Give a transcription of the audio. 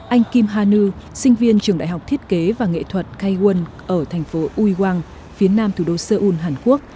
anh kim ha nu sinh viên trường đại học thiết kế và nghệ thuật k một ở thành phố ui quang phía nam thủ đô seoul hàn quốc